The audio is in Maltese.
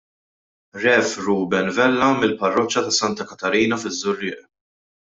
Rev. Reuben Vella mill-parroċċa ta' Santa Katarina fiż-Żurrieq.